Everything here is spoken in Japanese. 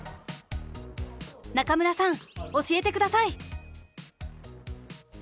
中村さん教えて下さい！